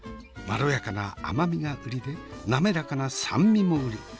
まろやかな甘みが売りで滑らかな酸味も売り。